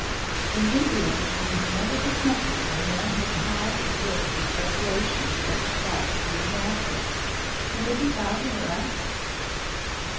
"In India, in this wonderful country where men have time and will for speculation such thoughts may be natural. Can they be found in the West?"